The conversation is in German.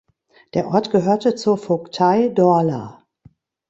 Der Ort gehörte zur Vogtei Dorla.